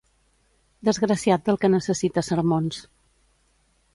Desgraciat del que necessita sermons.